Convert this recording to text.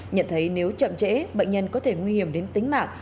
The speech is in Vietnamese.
nhận thấy nếu chậm trễ bệnh nhân có thể nguy hiểm đến tính mạng